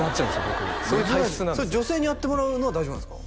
僕それ女性にやってもらうのは大丈夫なんすか？